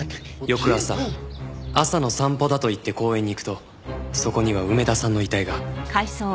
翌朝朝の散歩だと言って公園に行くとそこには梅田さんの遺体が。